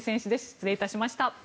失礼いたしました。